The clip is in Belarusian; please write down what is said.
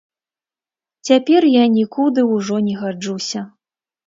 Цяпер я нікуды ўжо не гаджуся.